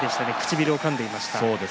唇をかんでいました。